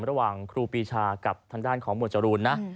ระหว่างครูปีชากับทางด้านของหมวดจรูนนะ